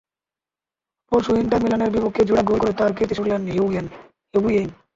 পরশু ইন্টার মিলানের বিপক্ষে জোড়া গোল করে তাঁর কীর্তি ছুঁলেন হিগুয়েইন।